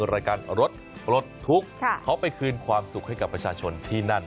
รายการรถรถทุกข์เขาไปคืนความสุขให้กับประชาชนที่นั่น